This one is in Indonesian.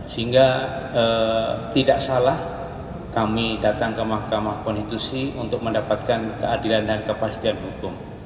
sehingga tidak salah kami datang ke mahkamah konstitusi untuk mendapatkan keadilan dan kepastian hukum